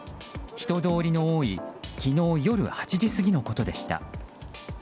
人通りの多い昨日夜８時過ぎのことでした。